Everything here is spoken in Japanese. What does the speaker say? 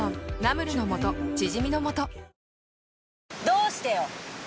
どうしてよ？